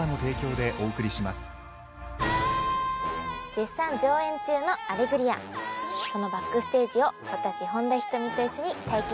絶賛上演中の『アレグリア』そのバックステージを私本田仁美と一緒に体験しましょう。